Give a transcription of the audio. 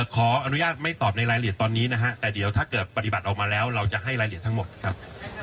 ขออนุญาตไม่ตอบในรายละเอียดตอนนี้นะฮะแต่เดี๋ยวถ้าเกิดปฏิบัติออกมาแล้วเราจะให้รายละเอียดทั้งหมดครับ